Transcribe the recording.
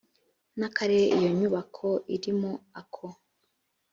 n akarere iyo nyubako irimo ako